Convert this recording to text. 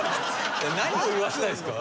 何を言わせたいんですか？